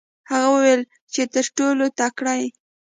هغه وویل چې ته تر ټولو تکړه یې.